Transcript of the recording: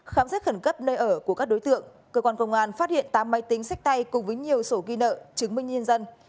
khám xét khẩn cấp nơi ở của các đối tượng cơ quan công an phát hiện tám máy tính sách tay cùng với nhiều sổ ghi nợ chứng minh nhân dân